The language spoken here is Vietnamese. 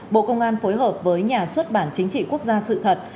bộ công an phối hợp với nhà xuất bản chính trị quốc gia sự thật